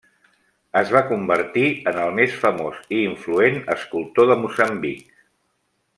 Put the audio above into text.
Es va convertir en el més famós i influent escultor de Moçambic.